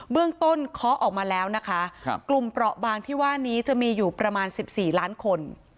เรื่องต้นเคาะออกมาแล้วนะคะกลุ่มเปราะบางที่ว่านี้จะมีอยู่ประมาณ๑๔ล้านคน